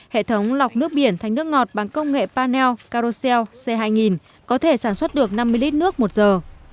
hệ thống lọc nước biển thành nước ngọt bằng công nghệ panel carosel c hai nghìn có thể sản xuất được năm mươi lít nước một giờ